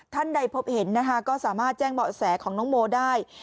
ท่านใดพบเห็นนะคะก็สามารถแจ้งเบาะแสของน้องโมได้